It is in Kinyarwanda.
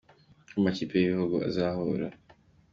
Uko amakipe y’ibihugu azahura